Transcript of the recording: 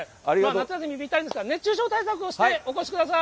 夏休みですから、熱中症対策をしてお越しください。